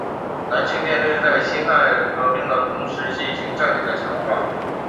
南清舰队在辛亥革命的同时进行战力的强化。